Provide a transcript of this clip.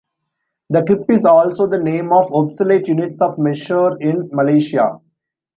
The kip is also the name of obsolete units of measure in Malaysia.